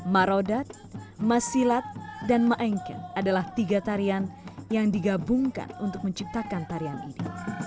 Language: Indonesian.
marodat masilat dan maengket adalah tiga tarian yang digabungkan untuk menciptakan tarian ini